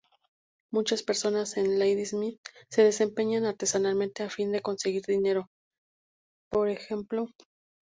Muchas personas en Ladysmith se desempeñan artesanalmente a fin de conseguir dinero, p.ej.